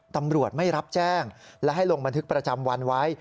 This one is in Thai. ตำรวจไม่รับแจ้งและให้ลงบันทึกประจำวันไว้